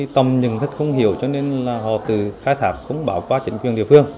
tâm nhận thức không hiểu cho nên họ khai thác không bảo quát chính quyền địa phương